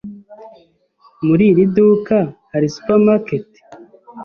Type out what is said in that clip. Muri iri duka hari supermarket?